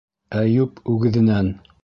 Әйүп үгеҙенән.